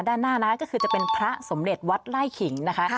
ด้านหน้านะคะก็คือจะเป็นพระสมเด็จวัดไล่ขิงนะคะ